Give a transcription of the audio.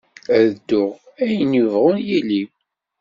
Ad dduɣ, ayen yebɣun yili.